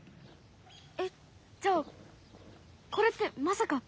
えっじゃあこれってまさか。